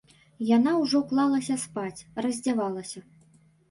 Яна ўжо клалася спаць, раздзявалася.